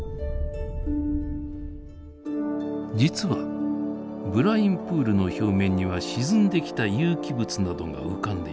実はブラインプールの表面には沈んできた有機物などが浮かんでいます。